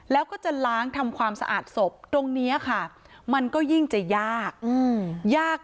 แล้วก็จะล้างทำความสะอาดศพตรงนี้ค่ะมันก็ยิ่งจะยากยาก